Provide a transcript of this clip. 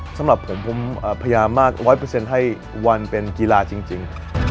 สำหรับผมผมพยายามมาก๑๐๐ให้วันเป็นกีฬาจริง